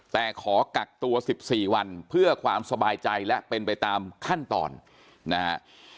แต่ขอกักตัว๑๔วันเพื่อความสบายใจและเป็นไปตามขั้นตอนนะฮะ